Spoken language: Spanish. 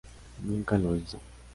Nunca lo hizo.